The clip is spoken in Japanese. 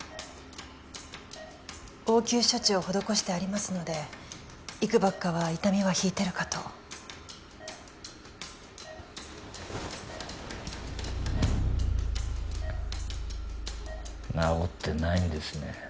応急処置を施してありますのでいくばくかは痛みは引いてるかと治ってないんですね